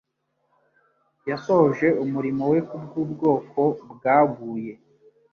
Yasohoje umurimo we kubw'ubwoko bwaguye.